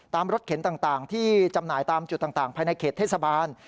รถเข็นต่างที่จำหน่ายตามจุดต่างภายในเขตเทศบาล